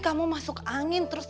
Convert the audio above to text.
kamu masuk angin terus